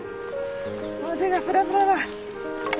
もう手がプラプラだ。